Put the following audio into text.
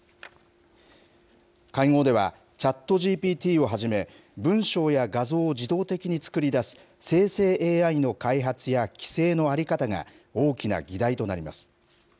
会合では、チャットＧＰＴをはじめ、文章や画像を自動的に作り出す生成ＡＩの開発や規制の在り方が大きな議題となります。